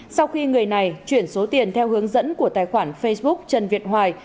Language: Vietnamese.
sau khi người này chuyển số tiền theo hướng dẫn của tài khoản facebook trần việt hoài